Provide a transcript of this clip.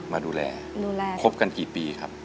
มาดูแลดูแลคบกันกี่ปีครับ